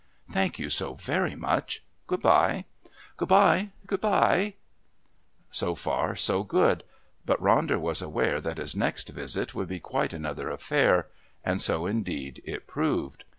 "Thank you so very much. Good bye." "Good bye. Good bye." So far so good, but Ronder was aware that his next visit would be quite another affair and so indeed it proved.